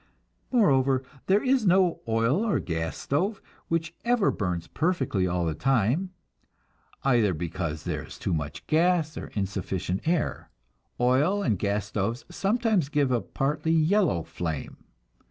Moreover, there is no oil or gas stove which ever burns perfectly all the time, either because there is too much gas or insufficient air. Oil and gas stoves sometimes give a partly yellow flame.